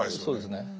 そうですね。